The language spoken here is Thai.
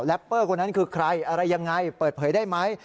เปอร์คนนั้นคือใครอะไรยังไงเปิดเผยได้ไหม